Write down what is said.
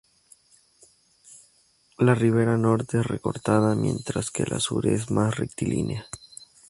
La ribera norte es recortada, mientras que la sur es más rectilínea.